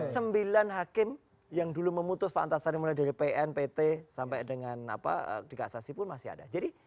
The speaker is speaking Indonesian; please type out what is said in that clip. sembilan hakim yang dulu memutus pak antasari mulai dari pn pt sampai dengan di kasasi pun masih ada